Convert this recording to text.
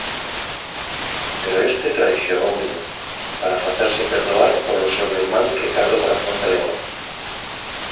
Pero este traizoouno para facerse perdoar polo seu irmán Ricardo Corazón de León.